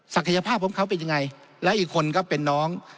ยภาพของเขาเป็นยังไงและอีกคนก็เป็นน้อง